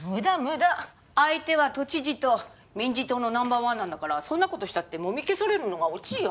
相手は都知事と民自党のナンバーワンなんだからそんな事したってもみ消されるのがオチよ。